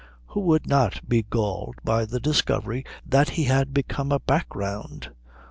Who would not be galled by the discovery that he has become a background?